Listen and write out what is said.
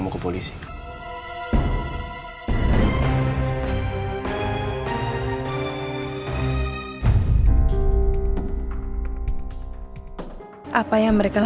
aku percaya sama kamu tante